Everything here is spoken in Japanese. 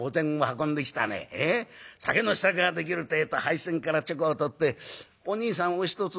酒の支度ができるってえと杯洗からちょこを取って『おにいさんおひとつ』